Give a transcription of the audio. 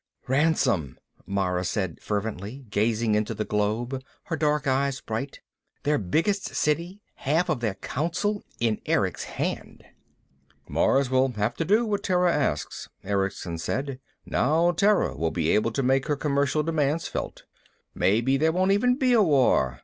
"Ransom," Mara said fervently, gazing into the globe, her dark eyes bright. "Their biggest City, half of their Council in Erick's hand!" "Mars will have to do what Terra asks," Erickson said. "Now Terra will be able to make her commercial demands felt. Maybe there won't even be a war.